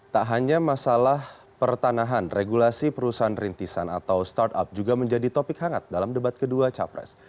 tak hanya masalah pertanahan regulasi perusahaan rintisan atau startup juga menjadi topik hangat dalam debat kedua capres